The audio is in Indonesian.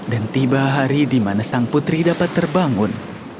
dan tiba hari di mana sang putri dapat terbangun